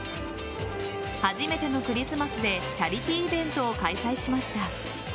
初めてのクリスマスでチャリティーイベントを開催しました。